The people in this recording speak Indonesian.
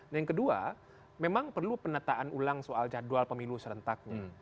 nah yang kedua memang perlu penetaan ulang soal jadwal pemilu serentaknya